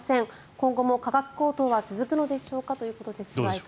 今後も価格高騰は続くのでしょうか？ということです。